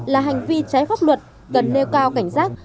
là hành vi trái pháp luật cần nêu cao cảnh giác